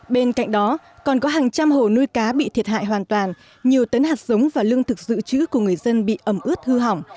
bên cạnh đó còn có hàng trăm hồ nuôi cá bị thiệt hại hoàn toàn nhiều tấn hạt giống và lương thực dự trữ của người dân bị ẩm ướt hư hỏng